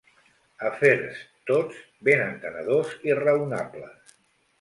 Afers, tots, ben entenedors i raonables.